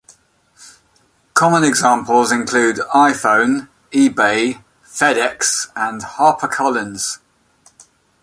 Common examples include "iPhone", "eBay", "FedEx", and "HarperCollins".